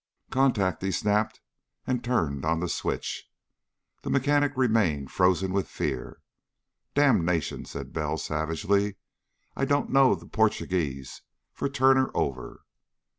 "Contact!" he snapped, and turned on the switch. The mechanic remained frozen with fear. "Damnation!" said Bell savagely. "I don't know the Portuguese for 'Turn her over'!"